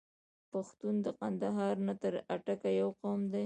پښتون د کندهار نه تر اټکه یو قوم دی.